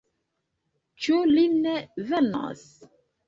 Ĉu li ne venos?